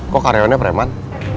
kok karyawannya preman